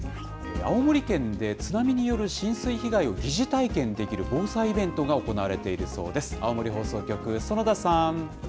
青森県で津波による浸水被害を疑似体験できる防災イベントが行われているそうです。